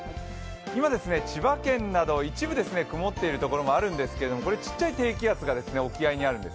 今、千葉県など一部曇っているところもあるんですけど、これ、ちっちゃい低気圧が沖合にあるんです。